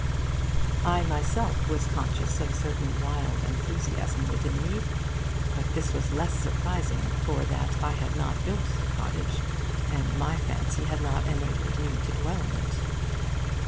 I myself was conscious of a certain wild enthusiasm within me. But this was less surprising for that I had not built the cottage, and my fancy had not enabled me to dwell in it.